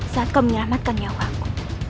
saat kau menyelamatkan nyawaku